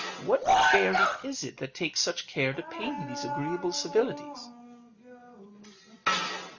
What fairy is it that takes such care to pay me these agreeable civilities?"